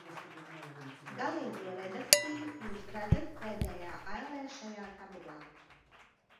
Galīgo redakciju jūs redzat pēdējā ailē šajā tabulā.